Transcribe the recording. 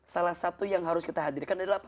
salah satu yang harus kita hadirkan adalah